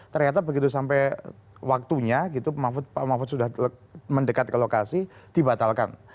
ternyata begitu sampai waktunya gitu pak mahfud sudah mendekat ke lokasi dibatalkan